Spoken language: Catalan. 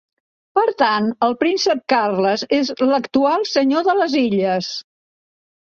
Per tant, el príncep Carles és l'actual Senyor de les Illes.